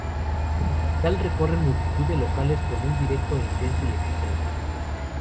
En la capital recorren multitud de locales con un directo intenso y excitante.